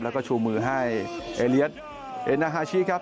แล้วก็ชูมือให้เอเลียสเอนาฮาชิครับ